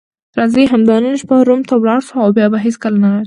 راځئ همدا نن شپه روم ته ولاړ شو او بیا به هیڅکله نه راځو.